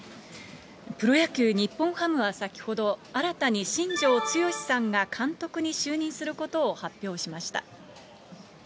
プロ野球・日本ハムは先ほど、新たに新庄剛志さんが監督に就任することを発表しました。